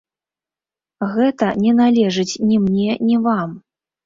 Гэта не належыць ні мне, ні вам.